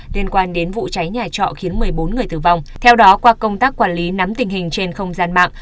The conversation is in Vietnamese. liên quan đến vụ cháy nhà trọ khiến một mươi bốn người tử vong theo đó qua công tác quản lý nắm tình hình trên không gian mạng